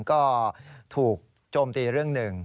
ก็ถูกโจมตีเรื่องหนึ่ง